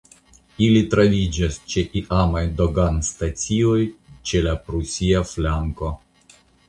Ili troviĝas ĉe iamaj doganstacioj ĉe la prusia flanko.